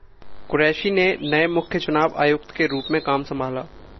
कुरैशी ने नये मुख्य चुनाव आयुक्त के रूप में काम संभाला